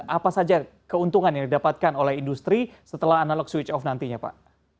apa saja keuntungan yang didapatkan oleh industri setelah analog switch off nantinya pak